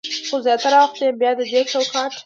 خو زياتره وخت يې بيا د دې چوکاټ